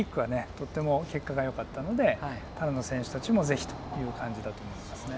とっても結果がよかったのでパラの選手たちも是非という感じだと思いますね。